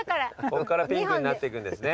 こっからピンクになっていくんですね。